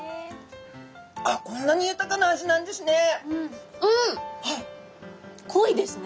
あっこんなに豊かな味なんですね。